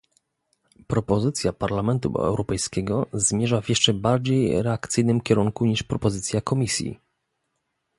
Propozycja Parlamentu Europejskiego zmierza w jeszcze bardziej reakcyjnym kierunku niż propozycja Komisji